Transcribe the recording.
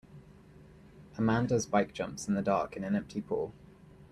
A man does bike jumps in the dark in an empty pool.